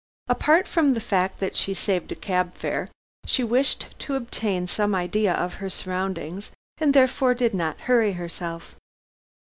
Apart from the fact that she saved a cab fare, she wished to obtain some idea of her surroundings, and therefore did not hurry herself.